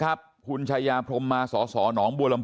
ขอบคุณเลยนะฮะคุณแพทองธานิปรบมือขอบคุณเลยนะฮะ